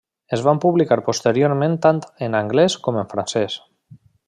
Es van publicar posteriorment tant en anglès com en francès.